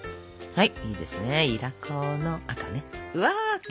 はい。